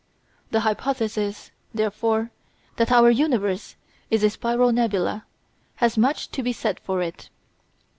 The hypothesis, therefore, that our universe is a spiral nebula has much to be said for it.